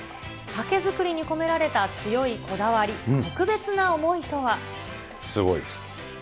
酒造りに込められた強いこだわり、すごいです。